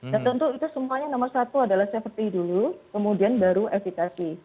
dan tentu itu semuanya nomor satu adalah safety dulu kemudian baru evitasi